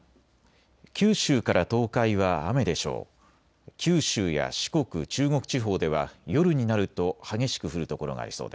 九州から東海は雨でしょう。